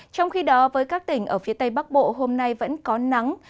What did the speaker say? trong khi đó với các tỉnh ở phía tây bắc bộ hôm nay vẫn có nắng